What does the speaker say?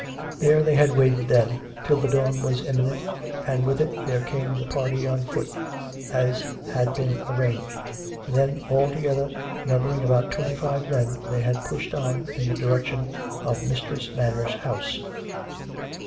There tliey had waited then, till the dawn was imminent, and, with it, there came the party on foot, as had been arcanged; then, all to gether, numbering about twenty five men, they had pushed on in the direction of Mistress Manners' house.